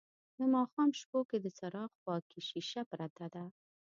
د ماښام شپو کې د څراغ خواکې شیشه پرته ده